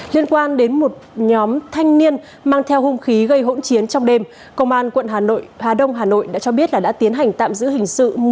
liên quan đến một nhóm thanh niên mang theo hung khí gây hỗn chiến trong đêm công an quận hà nội hà đông hà nội đã cho biết là đã tiến hành tạm giữ hình sự